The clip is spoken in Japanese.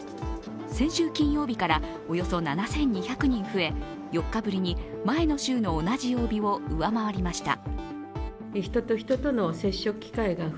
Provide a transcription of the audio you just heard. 先週金曜日からおよそ７２００人増え、４日ぶりに前の週の同じ曜日を上回りました。